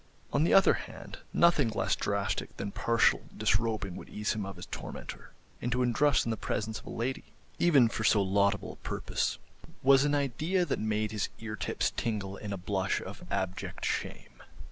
On the other hand, nothing less drastic than partial disrobing would ease him of his tormentor, and to undress in the presence of a lady, even for so laudable a purpose, was an idea that made his eartips tingle in a blush of abject shame.